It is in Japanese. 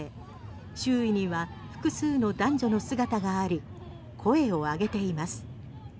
周囲には複数の男女の姿があり声を上げています。